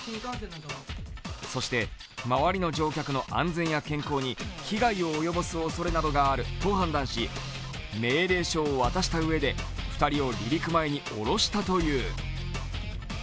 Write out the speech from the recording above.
そして回りの乗客の安全や健康に危害を及ぼすおそれがあると判断し、命令書を渡したうえで２人を離陸前に降ろしたという。